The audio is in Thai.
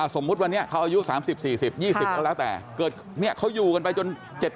สมมติวันนี้เขาอายุ๓๐๔๐๒๐แล้วแต่เกิดเขาอยู่กันไปจน๗๐๘๐๙๐